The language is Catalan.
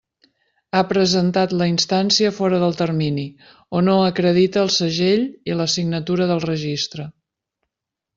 Ha presentat la instància fora del termini o no acredita el segell i la signatura del registre.